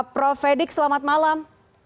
prof vedik selamat malam